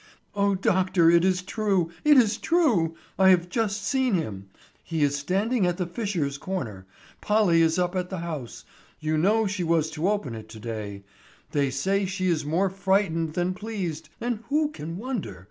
"O doctor, it is true! It is true! I have just seen him; he is standing at the Fisher's corner. Polly is up at the house—You know she was to open it to day. They say she is more frightened than pleased, and who can wonder?